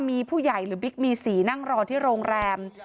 มีผู้ใหญ่หรือบิ๊กมีสีนั่งรอที่โรงแรม